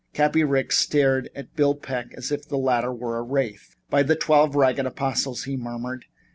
Cappy Ricks stared at Bill Peck as if the latter were a wraith. "By the Twelve Ragged Apostles!" he murmured.